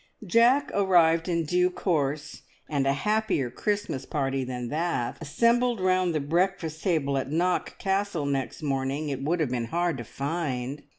Jack arrived in due course, and a happier Christmas party than that assembled round the breakfast table at Knock Castle next morning it would have been hard to find.